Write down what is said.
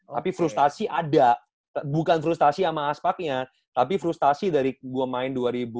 tapi frustasi ada bukan frustasi sama aspaknya tapi frustasi dari gue main dua ribu dua puluh